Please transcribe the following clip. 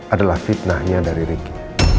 adalah fitnahnya dari ricky